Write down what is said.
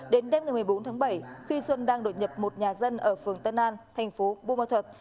đến đêm một mươi bốn tháng bảy khi xuân đang đột nhập một nhà dân ở phường tân an tp bông an thuật